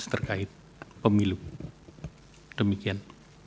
terkait pemilu demikian